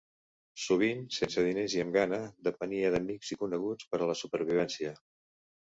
Sovint sense diners i amb gana, depenia d'amics i coneguts per a la supervivència.